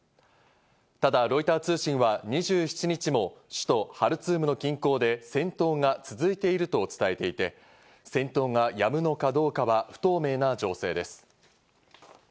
ただ、ロイター通信は２７日も首都ハルツームの近郊で戦闘が続いていると伝えていて、戦闘はやむのかどうかは不透明な情勢です。